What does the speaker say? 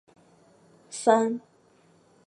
任内建台湾府儒学宫。